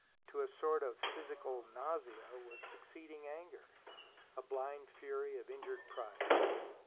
To a sort of physical nausea was succeeding anger, a blind fury of injured pride.